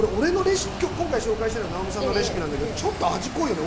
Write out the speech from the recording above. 今回紹介してるの直美さんのレシピなんだけどちょっと味濃いよね